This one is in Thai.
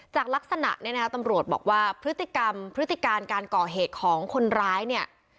จากลักษณะเนี่ยนะคะตำรวจบอกว่าพฤติกรรมพฤติการการก่อเหตุของคนร้ายเนี่ย